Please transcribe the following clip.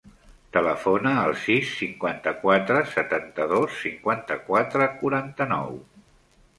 Telefona al sis, cinquanta-quatre, setanta-dos, cinquanta-quatre, quaranta-nou.